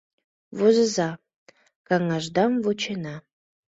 Возыза, каҥашдам вучена.